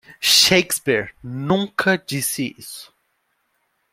Shakespeare nunca disse isso.